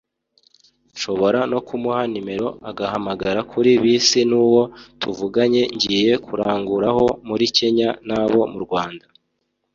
nshobora no kumuha nimero agahamagara kuri bisi n’uwo twavuganye ngiye kuranguraho muri Kenya n’abo mu Rwanda